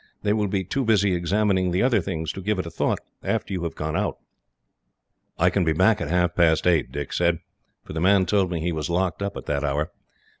They will be too busy examining the other things to give it a thought, after you have gone out." "I can be back at half past eight," Dick said, "for the man told me he was locked up at that hour.